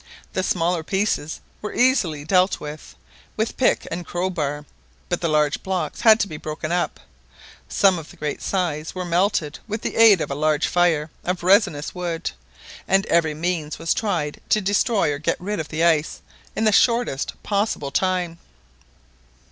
The smaller pieces were easily dealt with, with pick and crowbar, but the large blocks had to be broken up. Some of great size were melted with the aid of a large fire of resinous wood, and every means was tried to destroy or get rid of the ice in the shortest possible time.